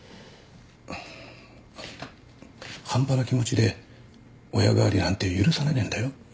あっ半端な気持ちで親代わりなんて許されねえんだよ。